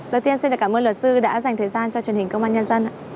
đầu tiên xin cảm ơn luật sư đã dành thời gian cho truyền hình công an nhân dân